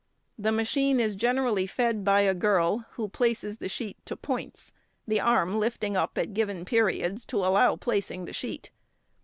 The machine is generally |8| fed by a girl, who places the sheet to points, the arm lifting up at given periods to allow placing the sheet.